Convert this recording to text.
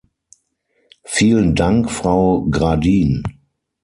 Vielen Dank, Frau Gradin!